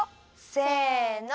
せの！